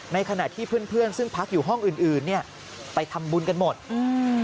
ในขณะที่เพื่อนเพื่อนซึ่งพักอยู่ห้องอื่นอื่นเนี้ยไปทำบุญกันหมดอืม